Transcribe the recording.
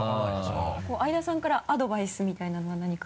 相田さんからアドバイスみたいなのは何か？